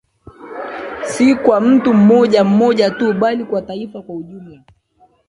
Si kwa mtu mmoja mmoja tu bali kwa Taifa kwa ujumla